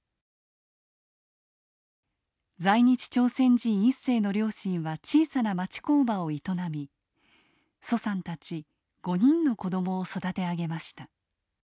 在日朝鮮人一世の両親は小さな町工場を営み徐さんたち５人の子どもを育て上げました。